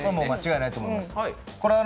間違いないと思います。